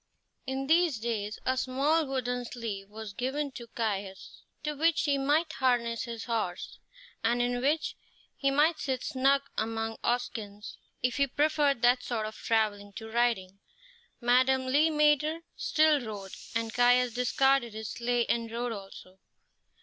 In these days a small wooden sleigh was given to Caius, to which he might harness his horse, and in which he might sit snug among oxskins if he preferred that sort of travelling to riding. Madame Le Maître still rode, and Caius discarded his sleigh and rode also.